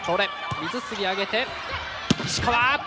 水杉あげて石川！